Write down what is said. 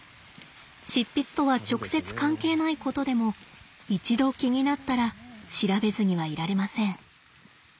執筆とは直接関係ないことでも一度気になったら調べずにはいられません。